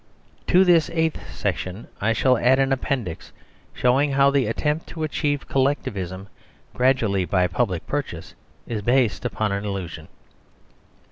To thiseighth section I shalladd an appendix show ing how the attempt to achieve Collectivism gradu ally by public purchase is based upon an illusion.